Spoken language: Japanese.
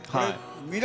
未来